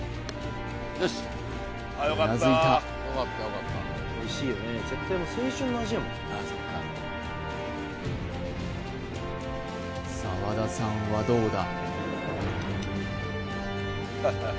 うなずいた澤田さんはどうだ？